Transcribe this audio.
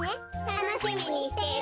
たのしみにしてる！